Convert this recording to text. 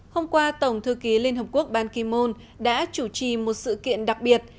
hôm qua tổng thư ký liên hợp quốc ban ki moon đã chủ trì một sự kiện đặc biệt